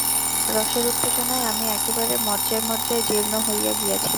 রসের উত্তেজনায় আমি একেবারে মজ্জায় মজ্জায় জীর্ণ হইয়া গিয়াছিলাম।